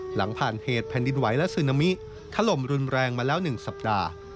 หลังผ่านเหตุแผ่นดินไหวและซึนามิถล่มรุนแรงมาแล้ว๑สัปดาห์